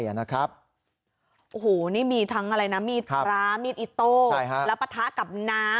โอ้โหนี่มีทั้งอะไรนะมีดพระมีดอิโต้แล้วปะทะกับน้ำ